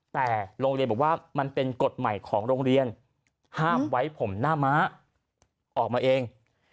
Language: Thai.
แต่โรงเรียนบอกว่ามันเป็นกฎใหม่ของโรงเรียนห้ามไว้ผมหน้าม้าออกมาเอง